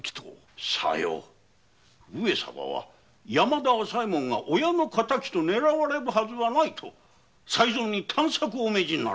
上様は山田朝右衛門が親の敵と狙われるはずはないと才三に探索をお命じになられた。